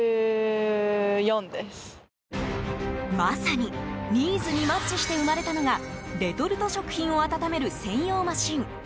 まさにニーズにマッチして生まれたのがレトルト食品を温める専用マシン